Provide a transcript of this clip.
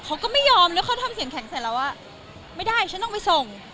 เขาก็ไม่ยอมแล้วเขาทำเสียงแข็งใส่เราว่าไม่ได้ฉันต้องไปส่ง